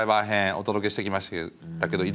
お届けしてきましたけど井戸田さん